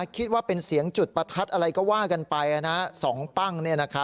คิดว่าเป็นเสียงจุดประทัดอะไรก็ว่ากันไป๒ปั้ง